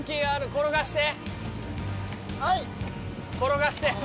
転がして。